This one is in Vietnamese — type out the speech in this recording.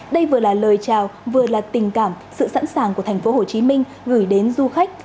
đây vừa là lời chào vừa là tình cảm sự sẵn sàng của thành phố hồ chí minh gửi đến du khách